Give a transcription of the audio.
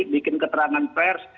bikin keterangan pers